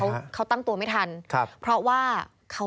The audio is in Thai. นี่แหละนี่แหละนี่แหละนี่แหละ